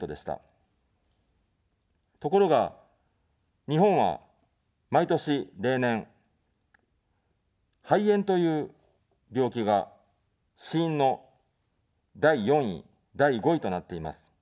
ところが、日本は毎年、例年、肺炎という病気が死因の第４位、第５位となっています。